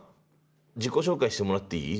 自己紹介してもらっていい？